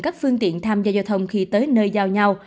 các phương tiện tham gia giao thông khi tới nơi giao nhau